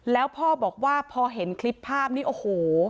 แล้วพ่อบอกว่าพอเห็นคลิปภาพนี่โอ้โห